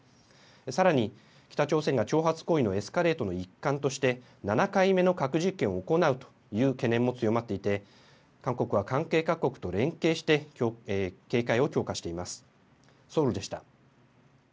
さらに北朝鮮が挑発行為のエスカレートの一環として、７回目の核実験を行うという懸念も強まっていて、韓国は関係各国と連携して、警戒を強化しています。